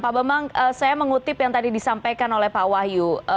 pak bambang saya mengutip yang tadi disampaikan oleh pak wahyu